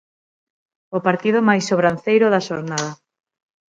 O partido máis sobranceiro da xornada.